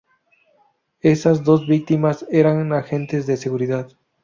Esas dos víctimas eran agentes de seguridad.